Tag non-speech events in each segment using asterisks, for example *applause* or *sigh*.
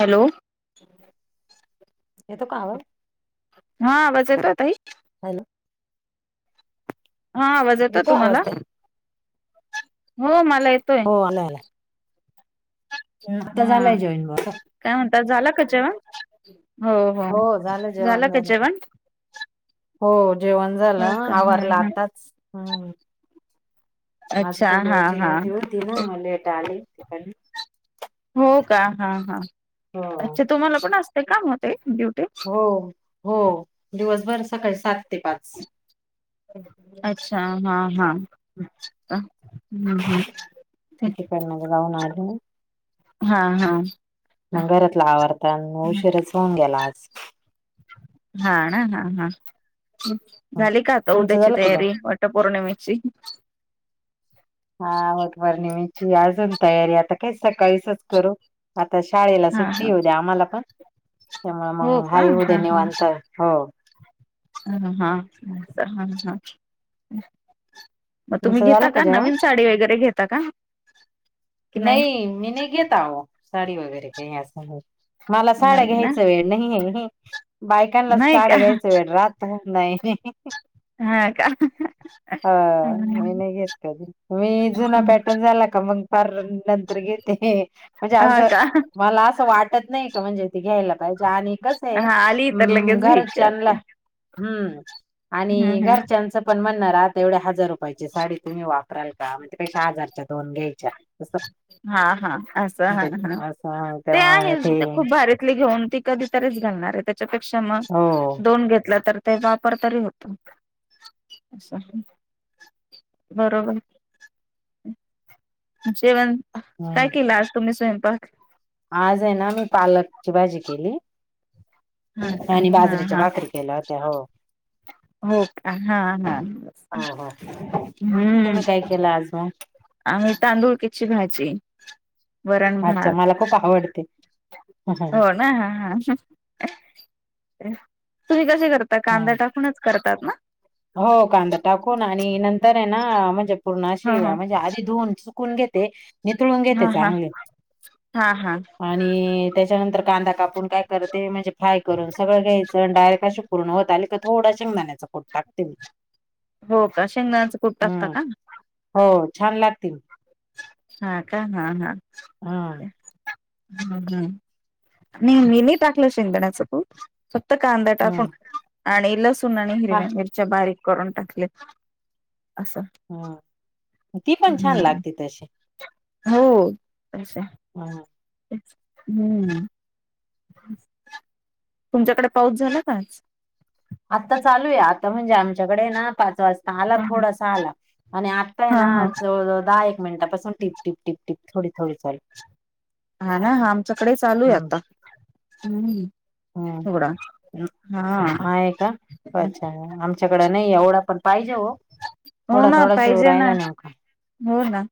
Hello. येतो का आवाज? हा आवाज येतो य ताई? हॅलो हा आवाज येतोय येतो आवाज तुम्हाला ताई हो मला येतोय हो आलाय आलाय नुकता हा झालंय जॉईन काय म्हणतात झाला का जेवण हो हो झालं झाला जेवण का झालं जेवण? हो जेवण झालं हो का हा आवारलं हा आताच हम्म आज अच्छा हा पोलीवेची हा डिवटी होती ना मग लेट आली तिकन हो का हा हा हो. अच्छा तुम्हाला पण असते कामते? हो हो दिवसभर सकाळी सात ते पाच अच्छा हा हा. अ हम्म हम्म ते तिकडनं *unintelligible* हा हा. ना घरातला आवरतान उशीराच होऊन गेला आज. हा ना हा हा हम्म. झाली का आता तुमचं उद्याची झालं का जेवण? तयारी वट पौर्णिमेची? हा वटवर्णिमीची अजून तैयारी आता काय सकाळीचच करू आता तर शाळेला हा सुट्टी हा येऊ द्या आम्हाला पण त्यामुळे हो मग का हाय उद्या निवांत हो हम्म हा ह हा. मग तुम्ही तुमचं झालं घेता का जेवण? नवीन साडी वगैरे घेता का? नाही मी घेता हो साडी वगैरे काही, मला साड्या नाही ना घ्यायच वेळ नाही हे. बायकांला नाही का साड्या घ्यायचं वेड राात. नाही, हा का ह म नाही घेत कधी मी जुना पॅटर्न झाला का मग, फार नंतर घेते म्हणजे आज. हा का मला असं वाटत नाही का म्हणजे ते घ्यायला पाहिजे आणि कस आहे. हा आली तर हम्म लगेच घरात घ्यायची चनला. असते हम्म हम्म आणि हम्म घरच्यांचं पण म्हणणार आता एवढ्या हजार रुपयाची साडी तुम्ही वाप लका म्हणजे पेशा आजारच्या दोन घ्यायच्या. असं हा हा असं हा त्याच्या- हा. असं ते तेव्हा ते आहे खूप भारीतली घेऊन ती कधीतरीच घालणार आहे त्याच्यापेक्षा, हो. दोन घेतल्या तर, ते वापर तरी होतो अस. बरोबर. जेवण हम्म काय केलं आज तुम्ही स्वयंपाक. आज आहे ना मी पालकची भाजी केली. हा का आणि बाजरीेच्या पातरी केल्या होत्या हो. ह. हो का हा हा हो हो हम्म. तुम्ही काय केलं आज मग आणि तांदुळ किची भाजी वरण अच्छा -भात. मला खूप आवडते. हम्म. हो ना ह ह तुम्ही कसे क. कांदा हम्म. टाकूनच करतात ना? हो कांदा टाकून आणि नंतर आहे ना म्हणजे ह पूर्णाशी ह म्हणजे आधी धुऊून चुकून घेत. ते नितळून घेते हा हा चांगले हा हा आणि त्याच्यानंतर कांदा कापून काय करते म्हणजे फाय करून सगळ घ्यायचं डायरेक्ट अशी पूर्ण होत आली का थड शेंगयचं कुट हम् हो का शेंगदाण्याचं कूट टाकता का हो छान लागतील. हा का हा हा. हा. हम हम् मी नाही टाकला शेंगदाण्याचा कूट. फक्त कांदा टाकून हम्म आणि लसूण आणि हा हिरव्या मिरच्या बारीक, करून टाकले असं हम्म ती पण छान हम्म. लागते तशी हो तस हम्म. हम्म. तुमच्याकडे पाऊस झाला का आज? आता चालू आहे आता म्हणजे आमच्याकडे ना पाच वाजता आला थोडासा आला आणि आत्ताय हा ना हा दहा एक मिनिटापासून टिप टीप टिप टिप. थोडी थोडी चाल. हा ना हा आमच्याकडे चालू आहे आता हम्. हम् आहे का अच्छा आमच्याकड नाही एवढा. पाहिजे हो. हो थोडा ना थोडा येऊ पाहिजे ना राहिला नेमका हो ना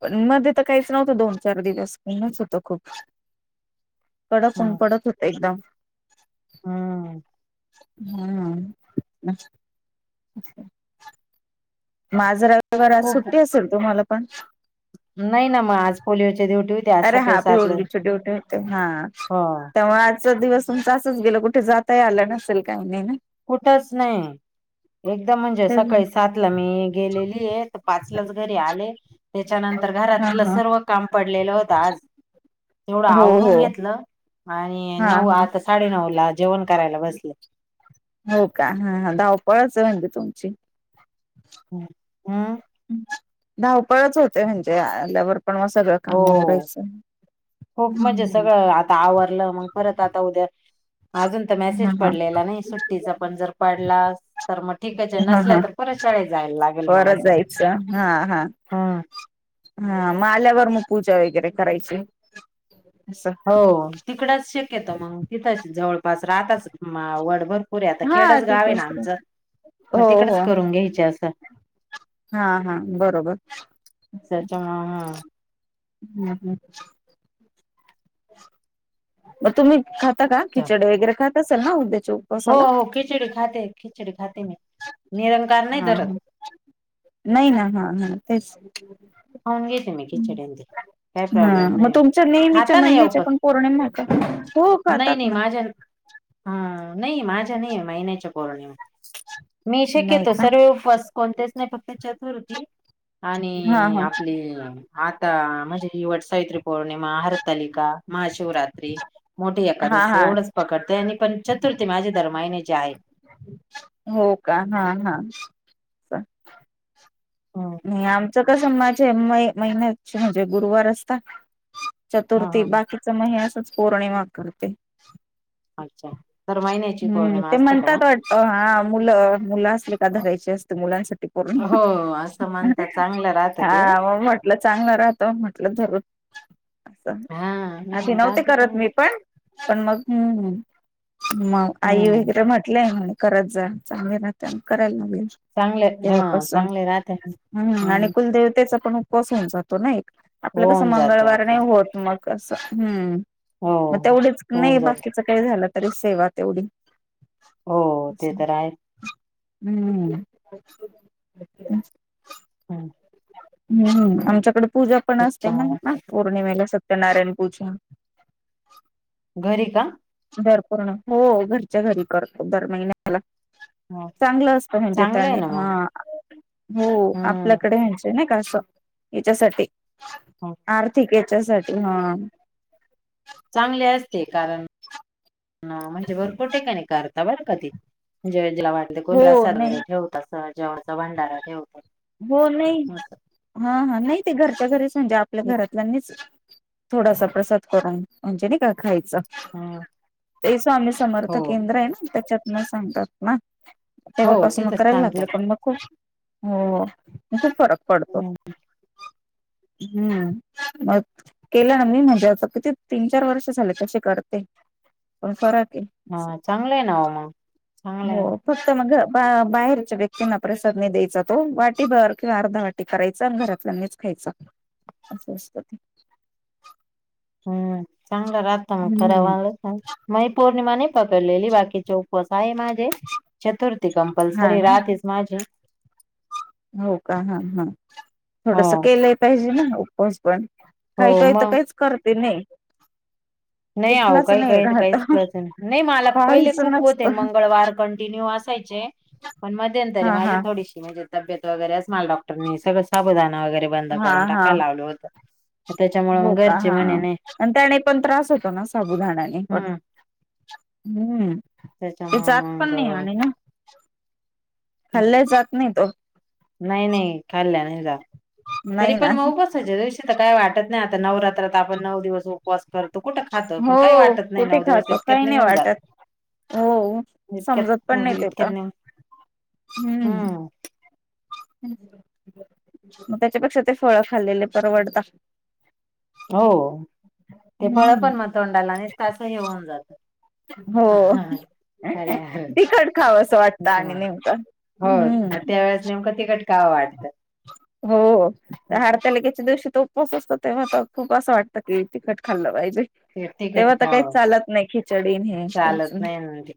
पण मध्ये तर काहीच नव्हतं दोन चार दिवस उणच होत खूप कडकून हम्म पडत होत एकदम. हम्म. हम् माझर विवार आज खूप सुट्टी असेल तुम्हाला पण, नाही ना मग आज पोलिओच्या ड्यूवटी होती. आज अरे हा सकाळी सातला पीओलीची होते हा हो तेव्हा आजचा दिवस तुमचा अस. गे कुठे जाता आला नसेल काय? कुठच नाही. एकदम म्हणजे ते सकाळी सात ला मी गेलेली आहे पाच लाच घरी आले. त्याच्यानंतर हा घरातलं हा सर्व काम पडलेलं होत. आज तेवढं हो आवरून हो घेतलं. आणि हा नऊ हा आता साडेनऊ ला जेवण करायला बसले. हो का हा धावपळच म्हणती तुमची. हम, हम. धावपळच होते म्हणजे, आल्यावर पण मग सगळं हो काम आवरायचं. खूप म्हणजे हम्म सगळं, आता आवरलं मग परत आता उद्या अजून तर हा मेसेज हा पडलेला नाही, सुट्टीचा पण जर पडला तर मग ठीक हा नसल्या हा तर परतच्या परत जायचं हा, हा, हम्म. हा म आल्यावर. मग पूजा वगैरे करायची. असं हो तिकडच शिक्यतो येत मग तिथंच जवळपास राहातच वडभर पुरे आता हा खेडच गाव आहे तिथेच ना की. आमचं, मग हो तिकडच हो करून घ्यायच असं. हा हा बरोबर. त्याच्यामुळे हम्म हम. मग तुम्ही खाता का, खिचड वगैरे खात असाल ना उद हो, हो. खिचडी खाते. खिचडी खाते. मी निरंकार नाही हा, धरत ह, नाही ना हा, हा तेच. खाऊन घेते मी खिचडी आणि ते. काही हा प्रॉब्लेम मग नाही तुमच्या नेहमीच्या खाता नाही महिन्याच्या पण पौर्णिम का हो नाही खातात नाही ना. माझ्या हा नाही माझ्या नाही महिन्याच्या पौर्णिमा. मी नाही शक्यतो का सर्व उपवास कोणतेच नाही फक्त चतुर्थी हा आणि हा आपली आता म्हणजे वटसावित्री पौर्णिमा, हरतालिका, महाशिवरात्री. मोठी हा एकादस, हा एवढंच पकडते, आणि पण चतुर्थी माझ्या दरमहिन्याची आहे. हो का, हा, हा. हम्म. नाही आमचं कसं, माझ म महिन्या म्हणजे गुरुवार असतात. हा चतुर्थी हा हा. बाकीच मे हे असच पौर्णिमा करते. अच्छा तर महिन्याची हम्म पौर्णिमा ते असते का म्हणतात मग वाटत. हा मुलं-मुलं असली का धरायची असते मुलांसाठी करून. हो अस हा मग म्हटलं चांगलं राहतं म्हटलं धरू. असं हा आधी नाही नव्हते राहते करत चांगले मी पण. पण मग हम्, मग आई हम्म वगैरे म्हटलंय ह्यांना. करत जा, चांगली राहते, करायला नको चांगले हा, चांगले राहते. ह आणि कुलदेवतेचा पण उपवास होऊन जातो ना एक, आपलं कसं होऊन जातो मंगळवार नाही आपला होत मग. कस हम्म, हो मग तेवढीच होऊन नाही जात बाकीच काही झालं तरी सेवा तेवढी. हो ते तर आहे. हम. हम्म. हम्म आमच्याकडे पूजा पण असते ना, ना त्याच्यामुळे पौर्णिमेला स सत्यनारायणपूजा. घरि का. भर पूर्ण, हो घरच्या घरी करतो दर महिन्याला. चांगलं असत म्हणजे, त्या चांगलं आहे ना मग हा हो हम्म आपल्याकडे म्हणजे ना. याच्यासाठी, आर्थिक याच्यासाठी हा. चांगले असते कारण, म्हणजे भरपूर ठेकााणी कर बरं का ती, म्हणजे जला वाट कोरास हो नाही वगैरे ठेवतात, जेवचा भंडारा ठेवत हो नाही हा हा नाही ते घरच्या, -घरीच म्हणजे आपल्या घरातल्यांनीच. थोडासा प्रसाद करून, म्हणजे नाही का खायच. हम्म ते स्वामी समर्थ हो केंद्र आहे ना, त्याच्यात म सांगतात ना. हो तेव्हापासून मग तिथं करायला लागलं, सांगतात पण मग खूप हो खूप फरक पडतो. हम्म मग केलं ना म्हणजे त किती तीन-चार वर्ष झाले तसे करते. परत. हा चांगलं आहे नवा मग. चांगलं हो आहे तस. बाहेरच्या व्यक्तींना प्रसाद नाहीं द्यायचा तो वाटीर किंवा अर्धा वाटी करायचा, घरातल्या. खायच अस असत ते. हम् चांगला राहता मग, खरा हम्म वाला म पौर्णिमा नाही पकडलेली बाकी चौक वास. काय माझे चतुर्थी हा कंपल्सरी ना रातीच माझे. हो का? हा हा हो थोडस केलंय पाहिजे ना उपवास पण. हो काही काय तर मग काहीच करते नाही. नाही आओ, कुठलाच काही नाही काही तर राहत काहीच करत नाही नाही मला पहिले काहीच खूप नसत होते. मंगळवार कंटिन्यू आस पाहिजे, पण मध्यंतरी हा माझी हा थोडीशी म्हणजे तबेत बऱ्याच मला डॉक्टरनी सगळं साबूदाना वगैरे बंद हा करून हा टाकायला लावलं होतं. त्याच्यामुळे हो मग का? घरचे हा म्हणे नाही हा त्याने पण त्रास हो तो ना, साबुदाणाने पण हम्म हम्म ते त्याच्यामुळे जात पण मग अ, नाही आणि ना हम्म, खाल्ल्या जात नाही तो नाही नाही खाल्ल्या नाही जात, तरी नाही ना पण मग उपा सायच्या दिवशी तर काय वाटत? टत नाही आता, नवरात्रात आपण नऊ दिवस उपवास करतो कुठं खातं? पण काही हो वाटत नाही कुठे नऊ दिवस खातो इतक्यात काही नाही निघून जात. वाटत हो इतक्यात हो इतक्यात निवून. हुं. मग त्याच्यापेक्षा ते फळ खाल्लेले परवडता. हो ते फळ पण हम्म मग, तोंडाला नीसता आस हे होऊन जात. हो. खाल्ल्यावर तिखट खावं असं वाटतं आणि त्याच्यामुळे नेमकं हो हुं. त्यावेेळेस नेमकं तिखट खावं वाटतं हो असं. हरतालीकेच्या दिवशी तो उपवास करतोय म आता खूप असं वाटतं की, तिखट खाल्लं पाहिजे. ते तिखट तेव्हा तर काही खावं चालत नाही, खिचडी न हे काहीच चालत नाही. ना ते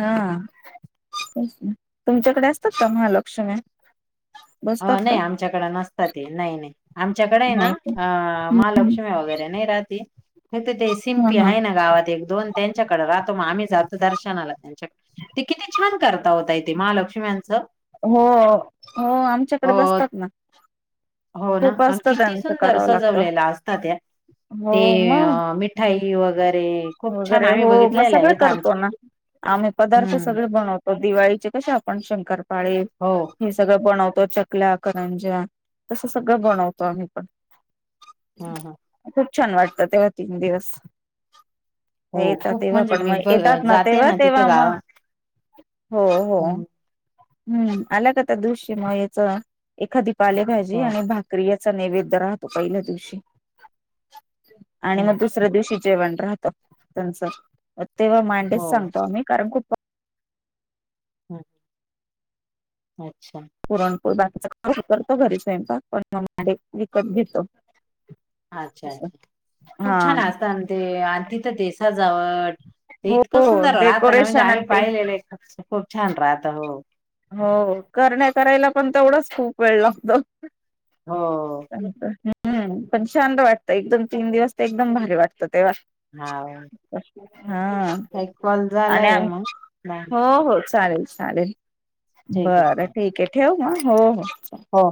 हा. तुमच्याकडे असतात का महालक्षुम्या? हो नाही आमच्याकड नसतात ते, नाही नाही. आमच्याकडे हाये ना? नाही अ हा महालक्ष्मी वगैरे नाही रहाती. तिथं ते शिपिं हा आहे ना गावात एक-दोन, त्यांच्याकडे राहतो मग आम्ही जातो दर्शनाला. त्यांच्या ते किती छान करता ओ ताई महालक्ष्म्यांचं. हो हो आमच्याकडे अ बसतात ना. हो ना खूप आणि असतं किती त्यांचं सुंदर करावं लागतं सजवलेला असता त्या. हो ते मग मिठाई वगैरे खूप छान वगैरे आम्ही हो मग बघितलेला सगळं येथ करतो आमच्या ना आम्ही पदार्थ हम्म सगळे बनवतो, दिवाळीचे कसे आपण शंकरपाळे हो हे सगळं बनवतो. तो चकल्या, करंजा, तसं सगळं बनवतो आम्ही पण. हम्म हम. खूप छान वाटतं तेव्हा तीन दिवस हो येता खूप तेव्हा म्हणजे पण म मी ब येतात ना जाते तिथं तेव्हा-तेव्हा मग. गावात हो हो. हं, हम्म, आला काता दृश्यम याच एखादी हो पालेभाजी आणि भाकरी या. नैवेद राहतो, पहिल्या दिवशी, आणि हं, मग दुसऱ्या दिवशी जेवण राहत त्यांच, तेव्हा हो मांडेच सांगतो आम्ही कारण खूप हो. अच्छा. बाकीचा का करतो घरी स्वयंपाक, पण मी विकत घेतो. अच्छा-अच्छा खूप हा छान असत, ते तिथं देसा सजावट. ते हो इतकं सुंदर राहतना म्हणजे डेकोरेशन आणि आम्ही ते पाहिलेलं आहे म्हणजे खूप छान राहत, हो. हो करण्या करायला पण तेवढंच खूप वेळ लागतो. हो. हम्म पण छान वाटतं, एकदम तीन दिवस ते एकदम भारी वाटत तेव्हा. हा हा ताई कॉल आणि झालाय आम मग नाही हो हो. चालेल चालेल ठीक आहे बरं चालेल ठीक आहे. ठेऊ म? हो हो चालेल. हो